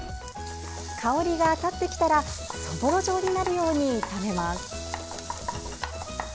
香りが立ってきたらそぼろ状になるように炒めます。